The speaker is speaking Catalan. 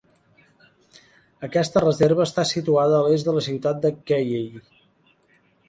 Aquesta reserva està situada a l'est de la ciutat de Cayey.